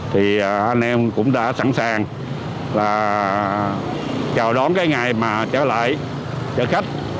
thì anh em cũng đã sẵn sàng là chào đón cái ngày mà trở lại cho khách